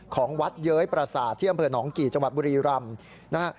ของวัดเย้ยประสาทที่อำเภอหนองกี่จังหวัดบุรีรำนะฮะ